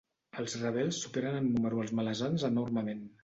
Els rebels superen en número als Malazans enormement.